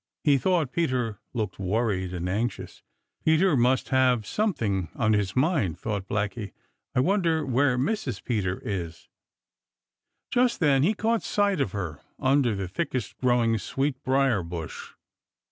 He thought Peter looked worried and anxious. "Peter must have something on his mind," thought Blacky. "I wonder where Mrs. Peter is." Just then he caught sight of her under the thickest growing sweet briar bush.